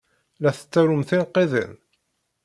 La tettarum tinqiḍin?